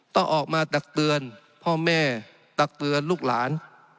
ต้องออกมาตักเตือนพ่อแม่ตักเตือนลูกหลาน